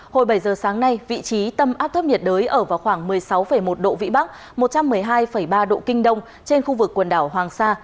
hồi bảy giờ sáng nay vị trí tâm áp thấp nhiệt đới ở vào khoảng một mươi sáu một độ vĩ bắc một trăm một mươi hai ba độ kinh đông trên khu vực quần đảo hoàng sa